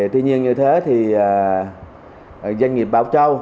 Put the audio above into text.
tuy nhiên như thế thì doanh nghiệp bảo châu